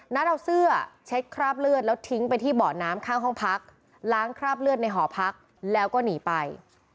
เอาเสื้อเช็ดคราบเลือดแล้วทิ้งไปที่เบาะน้ำข้างห้องพักล้างคราบเลือดในหอพักแล้วก็หนีไป